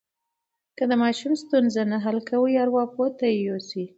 که ماشوم ستونزه نه حل کوي، ارواپوه ته یې یوسئ.